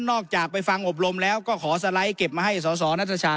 ออกจากไปฟังอบรมแล้วก็ขอสไลด์เก็บมาให้สสนัทชา